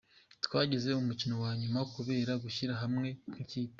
Twageze ku mukino wa nyuma kubera gushyira hamwe nk’ikipe.